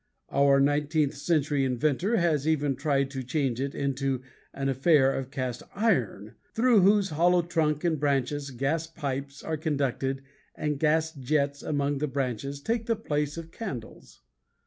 Our nineteenth century inventor has even tried to change it into an affair of cast iron, through whose hollow trunk and branches gas pipes are conducted and gas jets among the branches take the place of candles.